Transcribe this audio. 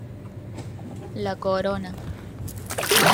La Corona